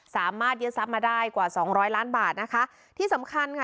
สามารถยึดทรัพย์มาได้กว่าสองร้อยล้านบาทนะคะที่สำคัญค่ะ